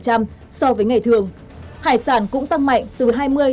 giá lợn tăng từ ba mươi bốn mươi so với ngày thường hải sản cũng tăng mạnh từ hai mươi năm mươi